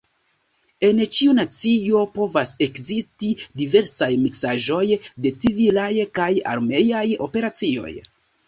En ĉiu nacio povas ekzisti diversaj miksaĵoj de civilaj kaj armeaj operacioj.